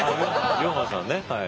龍馬さんねはい。